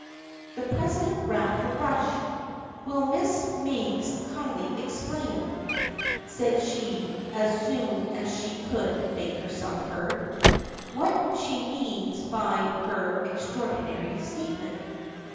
The president rapped her brush. " Will Miss Meigs kindly explain," said she as soon as she could make herself heard, " what she means by her extraordinary statement?